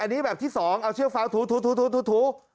อันนี้แบบที่๒เอาเชือกฟาวถู